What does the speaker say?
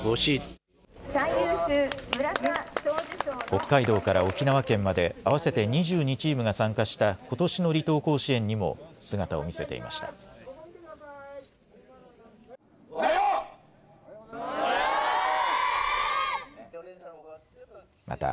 北海道から沖縄県まで、合わせて２２チームが参加したことしの離島甲子園にも姿を見せておはよう。